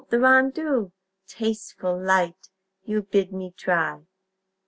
the rondeau, tasteful, light, You bid me try!